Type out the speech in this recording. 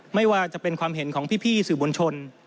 ไม่ว่าจะเป็นความเห็นของพี่สื่อมวลชน